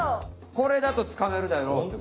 これだとつかめるだろうと。